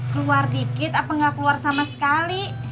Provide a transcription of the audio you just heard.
keluar dikit apa nggak keluar sama sekali